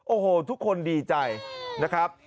โอ้โหทุกคนดีใจนะครับ